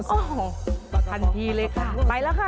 โอ้โหทันทีเลยค่ะไปแล้วค่ะ